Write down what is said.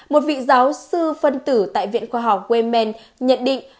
một vị giáo sư phân tử tại viện khoa học waemen nhận định